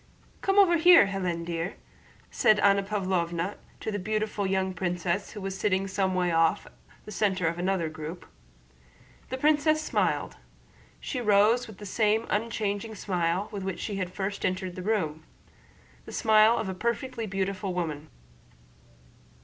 "Come over here, Hélène, dear," said Anna Pávlovna to the beautiful young princess who was sitting some way off, the center of another group. The princess smiled. She rose with the same unchanging smile with which she had first entered the room—the smile of a perfectly beautiful woman.